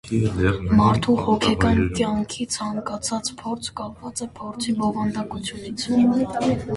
Մարդու հոգեկան կյանքի ցանկացած փորձ կապված է փորձի բովանդակությունից։